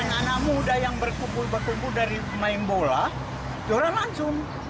anak anak muda yang berkumpul berkumpul dari main bola juara langsung